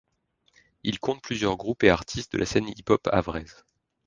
Il compte plusieurs groupes et artistes de la scène hip-hop havraise.